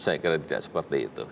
saya kira tidak seperti itu